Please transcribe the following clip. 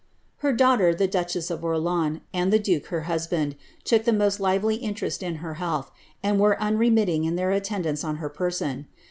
Her daughter, the duchess of Orleans, and the duke her husband, took the most lively interest in her health, and were unremitting in their attendance on her person.